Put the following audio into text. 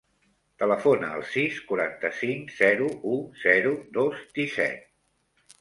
Telefona al sis, quaranta-cinc, zero, u, zero, dos, disset.